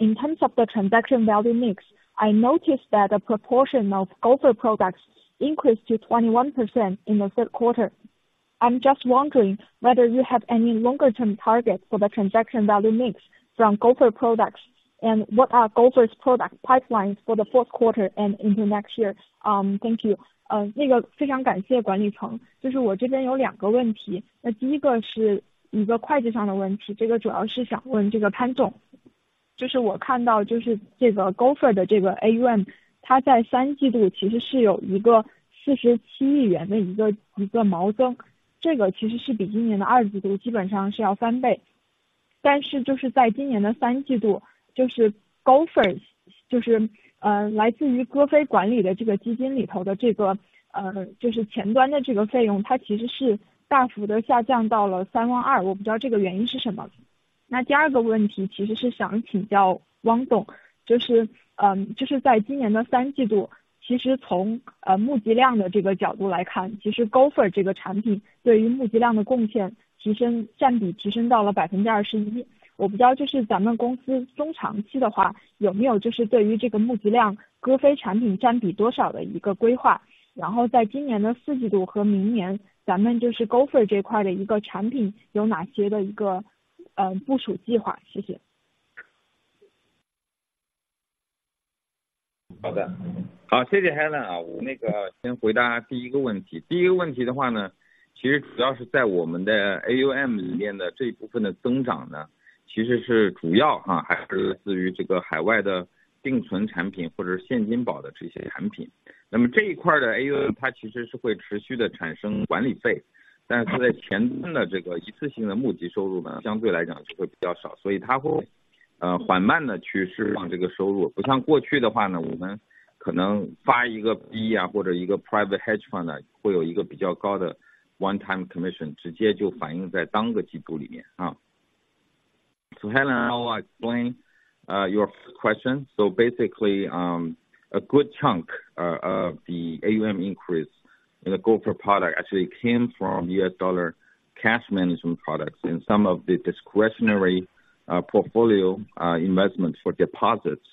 in terms of the transaction value mix, I noticed that the proportion of Gopher products increased to 21% in the third quarter. ...I'm just wondering whether you have any longer-term targets for the transaction value mix from Gopher products, and what are Gopher's product pipelines for the fourth quarter and into next year? Thank you. 非常感谢管理层，就是我这边有两个问题，第一个是一个会计上的问题，这个主要是想问潘总，就是我看到就是这个Gopher的这个AUM，它在三季度其实是有一个RMB 好的，好，谢谢 Helen 啊。我那个先回答第一个问题。第一个问题的话呢，其实主要是在我们的 AUM 里面的这一部分的增长呢，其实是主要啊，还是来自于这个海外的定存产品或者现金宝的这些产品，那么这一块的 AUM，它其实是会持续地产生管理费，但是在前面的这个一次性的募集收入呢，相对来讲就会比较少，所以它会，慢慢地去释放这个收入。不像过去的话呢，我们可能发一个 B 啊，或者一个 private hedge fund 呢，会有一个比较高的 one time commission，直接就反映在单个季度里面。啊， So Helen, I'll explain, your question. So basically, a good chunk of the AUM increase in the Gopher product actually came from US dollar cash management products in some of the discretionary portfolio investments for deposits.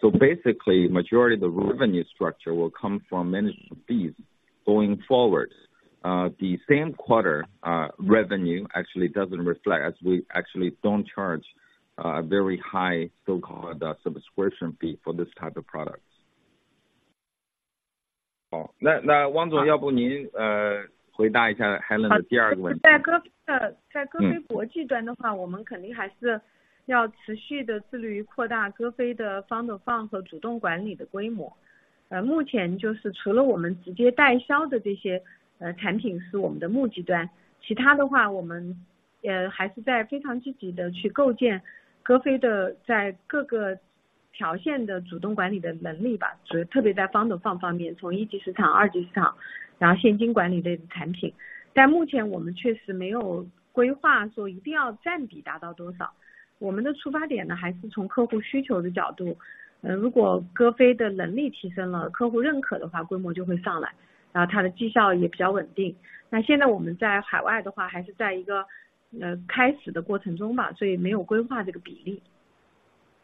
So basically, majority of the revenue structure will come from management fees going forward. The same quarter revenue actually doesn't reflect as we actually don't charge a very high so-called subscription fee for this type of products. 哦，那，那王总要不您，回答一下Helen的第二个问题。在歌斐，在歌斐国际端的话，我们肯定还是要持续地致力于扩大歌斐的FOF和主动管理的规模。目前就是除了我们直接代销的这些，产品是我们的募资端，其他的话我们也还是在非常积极地去构建歌斐的在各个条线的主动管理的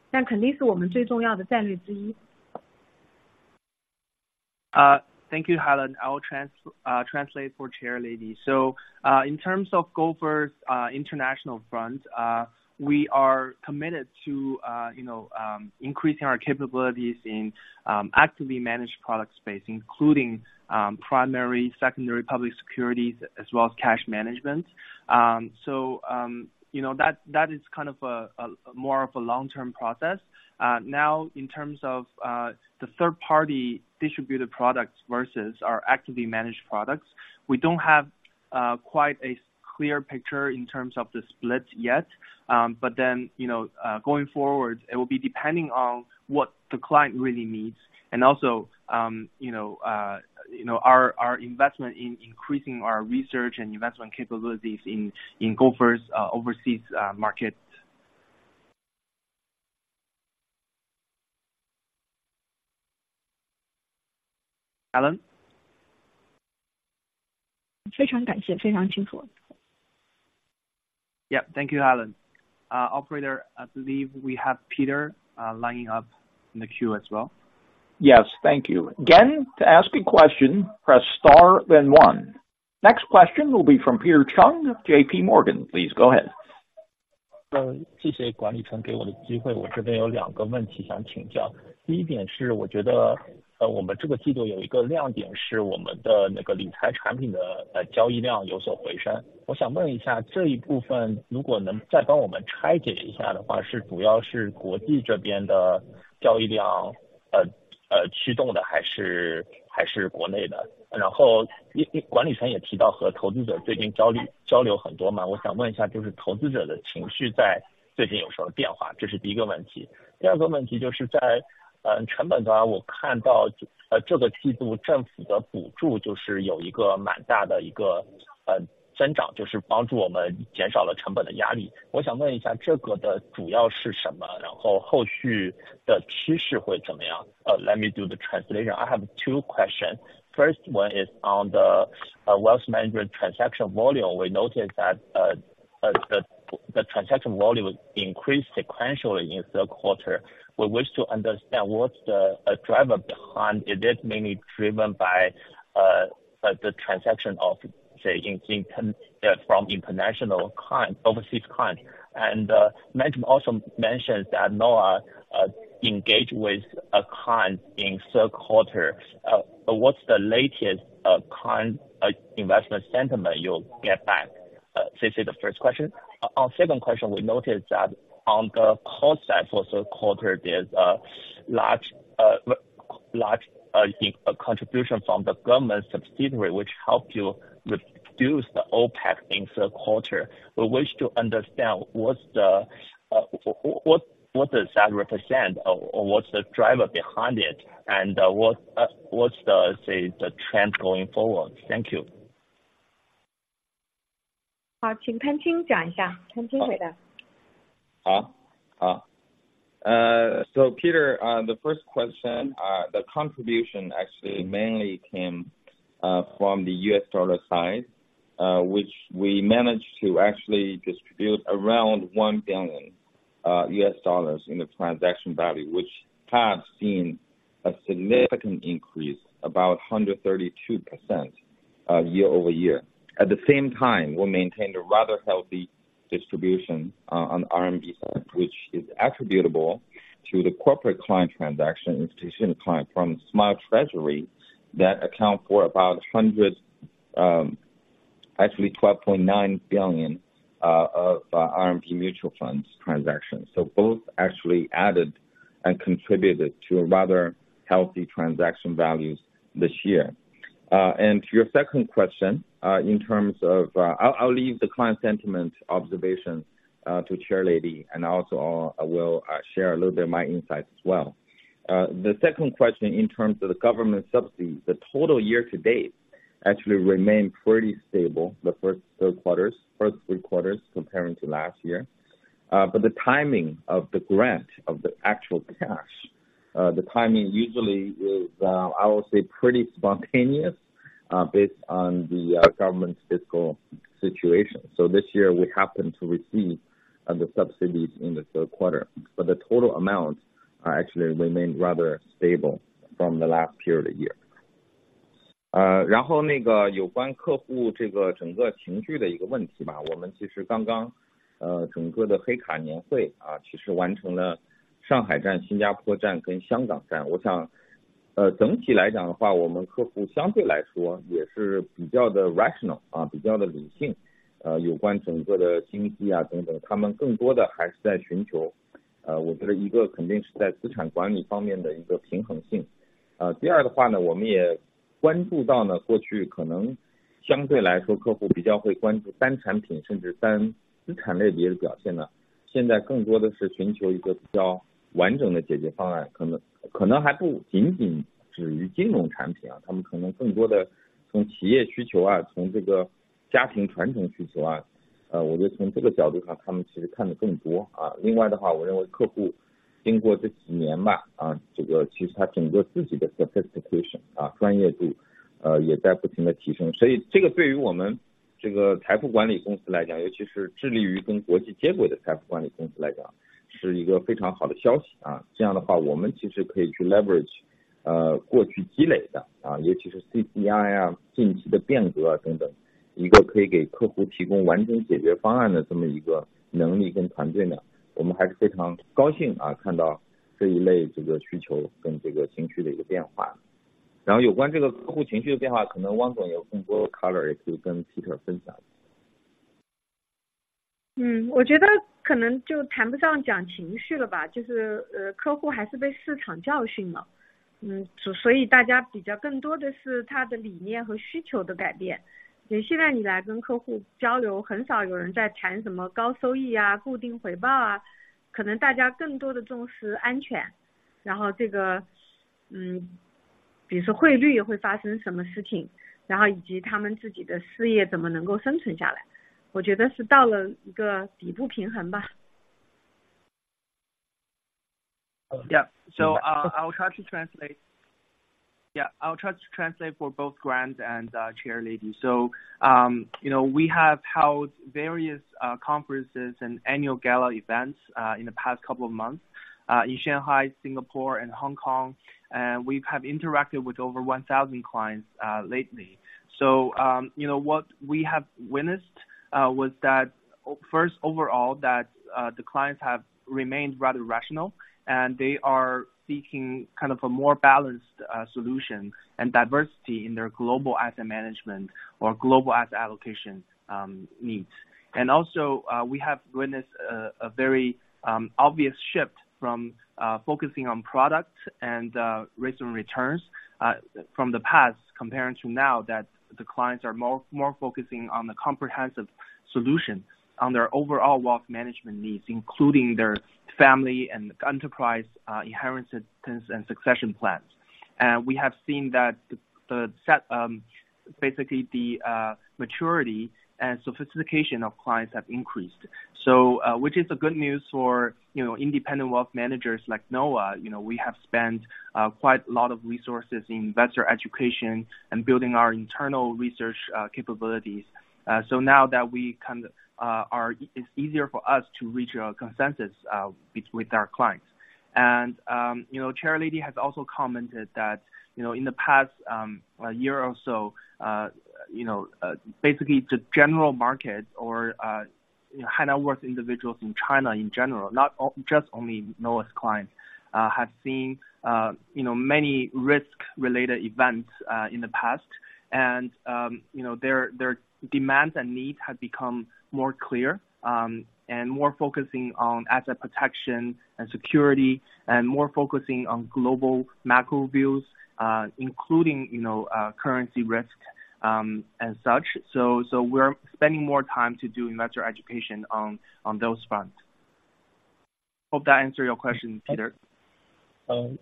中吧，所以没有规划这个比例，但肯定是我们最重要的战略之一。Thank you, Helen. I'll translate for chair lady. So, in terms of Gopher's international front, we are committed to, you know, increasing our capabilities in, actively managed product space, including, primary, secondary public securities as well as cash management. So, you know, that, that is kind of a, a more of a long term process. Now in terms of the third party distributed products versus our actively managed products, we don't have quite a clear picture in terms of the split yet. But then, you know, going forward, it will be depending on what the client really needs and also, you know, you know, our investment in increasing our research and investment capabilities in Gopher's overseas markets. Helen? 非常感谢，非常清楚. Yeah, thank you, Helen. Operator, I believe we have Peter lining up in the queue as well. Yes, thank you. Again, to ask a question, press star then one. Next question will be from Peter Zhang, JPMorgan. Please go ahead. Thank you to the management for giving me this opportunity. I have two questions. First, I think this quarter has a highlight, which is that our wealth management products' transaction volume has increased somewhat. I want to ask, if you can break this down for us, is it mainly driven by transaction volume on the international side, or domestic? Then, management also mentioned recent communication with investors, a lot of communication, I want to ask, what changes have there been in investors' sentiment recently? This is the first question. The second question is on the cost side. I see that this quarter's government subsidies had a fairly large increase, which helped reduce our cost pressure. I want to ask what this is mainly, and what the subsequent trend will be like? I have two questions. First one is on the wealth management transaction volume. We noticed that, the- The transaction volume increased sequentially in the third quarter. We wish to understand what's the driver behind it. Is it mainly driven by the transaction of, say, from international client, overseas client? And Madam also mentions that Noah engaged with a client in third quarter, but what's the latest client investment sentiment you'll get back? This is the first question. On second question, we noticed that on the cost side for third quarter, there's a large contribution from the government subsidy, which helped you reduce the OpEx in third quarter. We wish to understand what does that represent or what's the driver behind it, and what's the, say, the trend going forward? Thank you. 好，请潘青讲一下，潘青回答。So Peter, the first question, the contribution actually mainly came from the US dollar side, which we managed to actually distribute around $1 billion in the transaction value, which has seen a significant increase, about 132% year-over-year. At the same time, we maintained a rather healthy distribution on RMB, which is attributable to the corporate client transaction institution client from Smile Treasury, that account for about 100, actually 12.9 billion RMB mutual funds transactions. So both actually added and contributed to a rather healthy transaction values this year. And to your second question, in terms of... I'll leave the client sentiment observations to Chairlady, and also I will share a little bit of my insights as well. The second question, in terms of the government subsidies, the total year to date actually remained pretty stable, the first three quarters comparing to last year. But the timing of the grant, of the actual cash, the timing usually is, I would say, pretty spontaneous, based on the government's fiscal situation. So this year we happened to receive the subsidies in the third quarter, but the total amount actually remained rather stable from the last period of the year. 我觉得可能就谈不上讲情绪了 吧， 就是， 客户还是被市场教训了。所以大家比较更多的是他的理念和需求的变化。你现在来跟客户交流， 很少有人在谈什么高收益啊， 固定回报啊， 可能大家更多地重视安全， 然后这个， 比如说汇率会发生什么事情， 然后以及他们自己的事业怎么能够生存下来， 我觉得是到了一个底部平衡吧。Yeah. So I will try to translate. Yeah, I'll try to translate for both Grant and chair lady. So, you know, we have held various conferences and annual gala events in the past couple of months in Shanghai, Singapore and Hong Kong. And we have interacted with over 1,000 clients lately. So, you know, what we have witnessed was that first, overall, that the clients have remained rather rational, and they are seeking kind of a more balanced solution and diversity in their global asset management or global asset allocation needs. Also, we have witnessed a very obvious shift from focusing on product and recent returns from the past comparing to now that the clients are more focusing on the comprehensive solution, on their overall wealth management needs, including their family and enterprise inheritance and succession plans. We have seen that basically the maturity and sophistication of clients have increased. So, which is good news for, you know, independent wealth managers like Noah. You know, we have spent quite a lot of resources in investor education and building our internal research capabilities. So now that we kind of are, it's easier for us to reach a consensus better with our clients. You know, Chair Lady has also commented that, you know, in the past, year or so, you know, basically the general market or, you know, high net worth individuals in China in general, not just only Noah's clients, have seen, you know, many risk-related events, in the past. You know, their, their demands and needs have become more clear, and more focusing on asset protection and security, and more focusing on global macro views, including, you know, currency risk, and such. So, we're spending more time to do investor education on those fronts. Hope that answer your question, Peter. Let me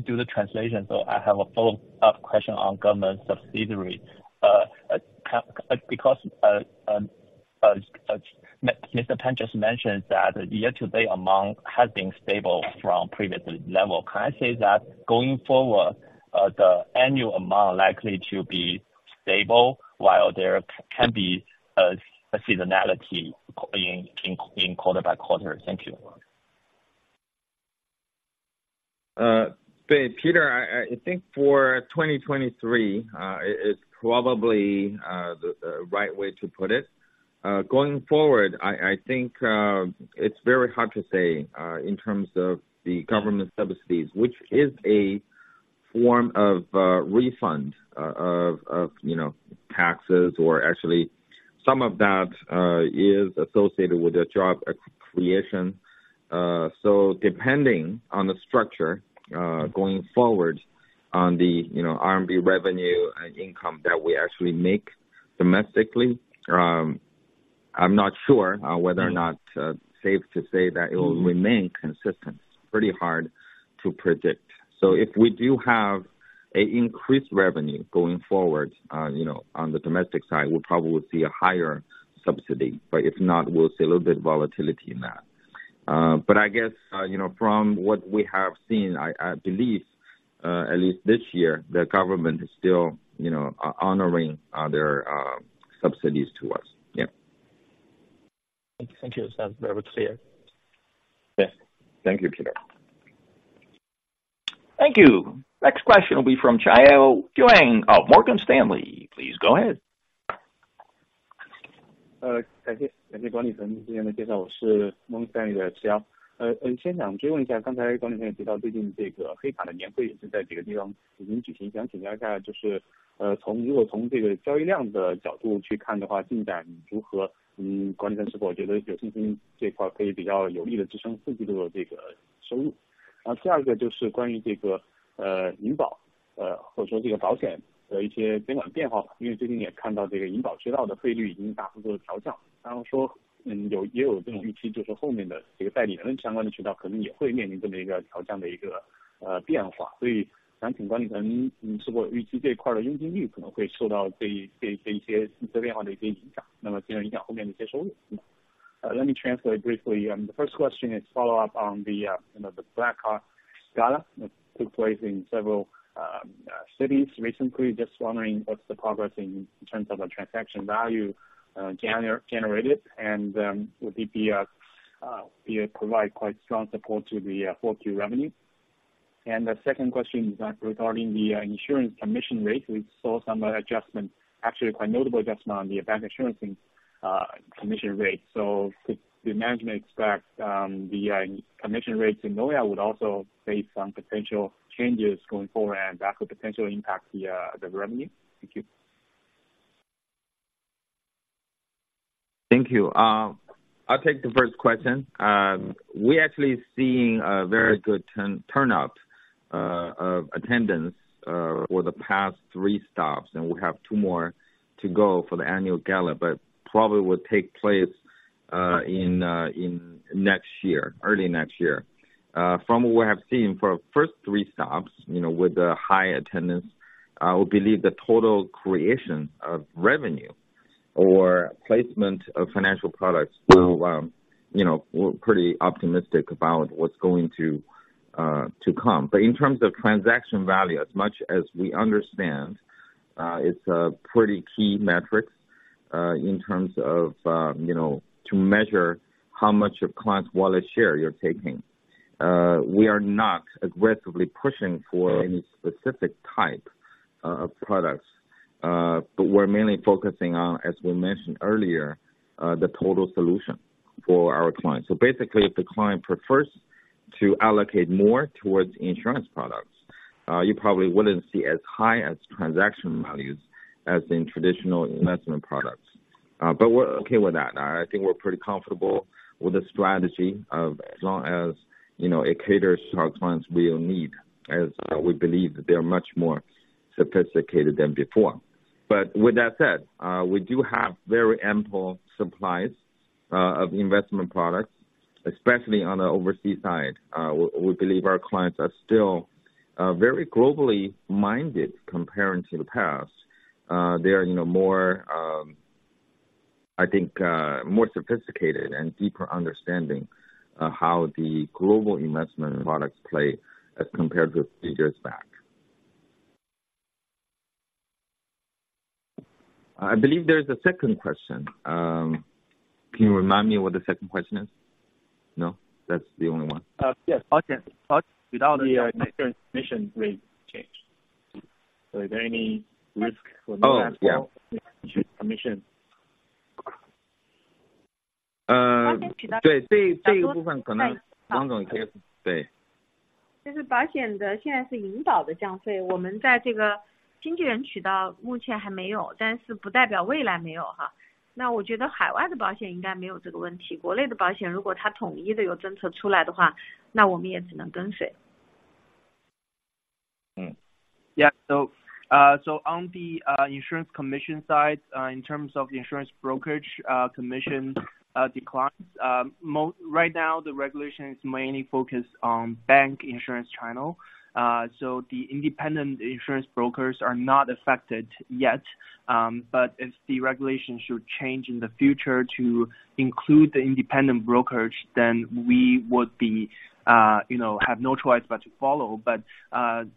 do the translation. So I have a follow-up question on government subsidy. Because Mr. Pan just mentioned that year-to-date amount has been stable from previous level. Can I say that going forward, the annual amount likely to be stable, while there can be a seasonality in quarter by quarter? Thank you. Peter, I think for 2023, it is probably the right way to put it. Going forward, I think it's very hard to say in terms of the government subsidies, which is a form of refund of, you know, taxes, or actually some of that is associated with the job creation. So depending on the structure, going forward on the, you know, RMB revenue and income that we actually make domestically, I'm not sure whether or not safe to say that it will remain consistent. It's pretty hard to predict. So if we do have a increased revenue going forward on, you know, on the domestic side, we'll probably see a higher subsidy, but if not, we'll see a little bit of volatility in that. But I guess, you know, from what we have seen, I believe, at least this year, the government is still, you know, honoring their subsidies to us. Yeah. Thank you. Thank you. That's very clear. Yes. Thank you, Peter. Thank you. Next question will be from Chao Jiang of Morgan Stanley. Please go ahead. Morgan Stanley Let me translate briefly. The first question is follow up on the, you know, the Black Card Gala that took place in several cities recently. Just wondering, what's the progress in terms of the transaction value generated? And will it provide quite strong support to the 4Q revenue? And the second question is regarding the insurance commission rate. We saw some adjustment, actually quite notable adjustment on the bank insurance commission rate. So could the management expect the commission rates in Noah would also face some potential changes going forward, and that could potentially impact the revenue? Thank you. Thank you. I'll take the first question. We're actually seeing a very good turnout of attendance for the past three stops, and we have two more to go for the annual gala, but probably will take place in next year, early next year. From what we have seen for the first three stops, you know, with the high attendance, we believe the total creation of revenue or placement of financial products will, you know, we're pretty optimistic about what's going to come. But in terms of transaction value, as much as we understand, it's a pretty key metric, in terms of, you know, to measure how much of client's wallet share you're taking. We are not aggressively pushing for any specific type of products, but we're mainly focusing on, as we mentioned earlier, the total solution for our clients. So basically, if the client prefers to allocate more towards insurance products, you probably wouldn't see as high as transaction values as in traditional investment products. But we're okay with that. I think we're pretty comfortable with the strategy of as long as, you know, it caters to our clients' real need, as we believe that they are much more sophisticated than before. But with that said, we do have very ample supplies of investment products, especially on the overseas side. We believe our clients are still very globally minded compared to the past. They are, you know, more, I think, more sophisticated and deeper understanding of how the global investment products play as compared to a few years back. I believe there is a second question. Can you remind me what the second question is? No, that's the only one. Yes. Okay. But without the insurance commission rate change, so is there any risk for the- Oh, yeah. Commission? Uh, Yeah. So, so on the insurance commission side, in terms of the insurance brokerage commission declines, right now, the regulation is mainly focused on bank insurance channel. So the independent insurance brokers are not affected yet. But if the regulation should change in the future to include the independent brokerage, then we would be, you know, have no choice but to follow. But,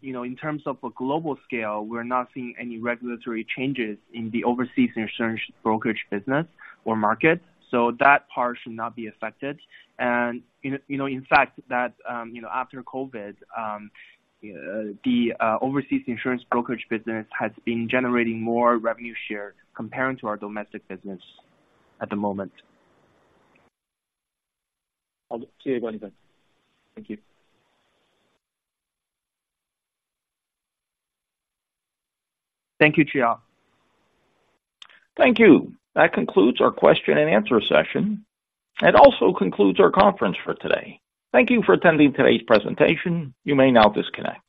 you know, in terms of a global scale, we're not seeing any regulatory changes in the overseas insurance brokerage business or market, so that part should not be affected. And in, you know, in fact, that, you know, after COVID, the overseas insurance brokerage business has been generating more revenue share compared to our domestic business at the moment. Okay, wonderful. Thank you. Thank you, Chao. Thank you. That concludes our question and answer session. It also concludes our conference for today. Thank you for attending today's presentation. You may now disconnect.